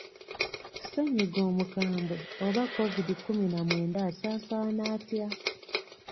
Ssennyiga omukambwe oba Kovidi kkumi na mwenda asaasaana atya?